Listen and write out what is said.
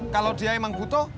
kalau dia emang butuh